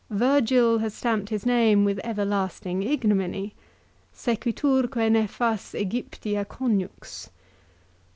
Virgil has stamped his name with everlasting ignominy. " Sequiturque nefas Egyptia conjux."